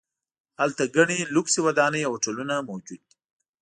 هلته ګڼې لوکسې ودانۍ او هوټلونه موجود دي.